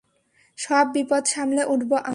সব বিপদ সামলে উঠবো আমরা।